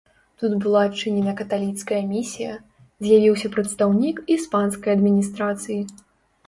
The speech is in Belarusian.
Тут была адчынена каталіцкая місія, з'явіўся прадстаўнік іспанскай адміністрацыі.